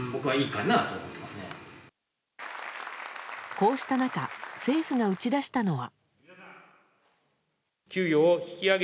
こうした中政府が打ち出したのは。